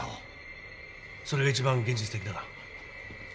それが一番現実的だな。